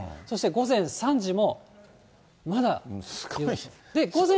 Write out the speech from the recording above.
そして午前３時のまだ。